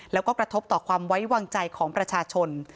แล้วก็กระทบต่อความไว้วางใจของประชาชน